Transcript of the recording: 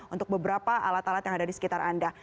untuk beberapa alat alat yang ada di sekitar anda